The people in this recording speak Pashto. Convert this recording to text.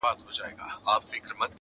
چي تا ویني همېشه به کښته ګوري.!